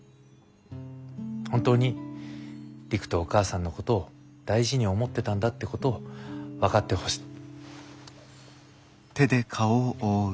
本当に璃久とお母さんのことを大事に思ってたんだってことを分かってほしい。